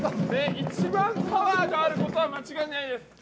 一番、パワーがあることは間違いないです。